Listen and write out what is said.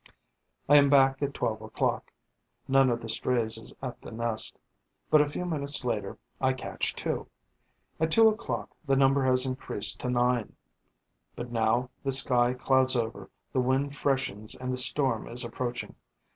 I am back at twelve o'clock. None of the strays is at the nest; but, a few minutes later, I catch two. At two o'clock, the number has increased to nine. But now the sky clouds over, the wind freshens and the storm is approaching.